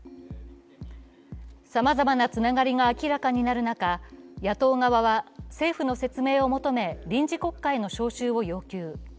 さまざまなつながりが明らかになる中、野党側は政府の説明を求め臨時国会の召集を要求。